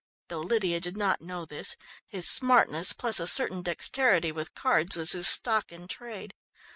Though Lydia did not know this, his smartness, plus a certain dexterity with cards, was his stock in trade.